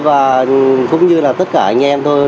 và cũng như là tất cả anh em thôi